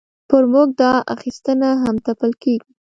پر موږ دا اخیستنه هم تپل کېږي.